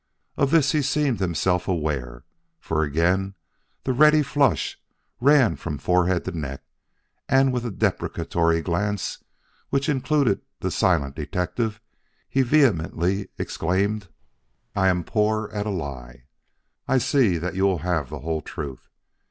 Of this he seemed himself aware, for again the ready flush ran from forehead to neck, and with a deprecatory glance which included the silent detective he vehemently exclaimed: "I am poor at a lie. I see that you will have the whole truth.